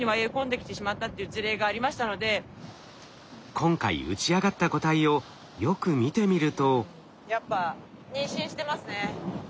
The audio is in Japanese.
今回打ち上がった個体をよく見てみると。